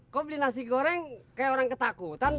kok beli nasi goreng kayak orang ketakutan